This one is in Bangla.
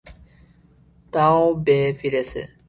তা ও বে ফিরেছে!